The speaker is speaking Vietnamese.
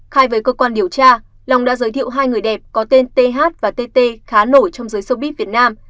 khai với cơ quan điều tra long đã giới thiệu hai người đẹp có tên th và tt khá nổi trong giới sâu bít việt nam